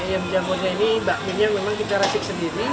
yang jamurnya ini bakminya memang kita resik sendiri